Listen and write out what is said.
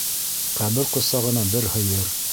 Ҡәбер ҡосағына бер һыйыр.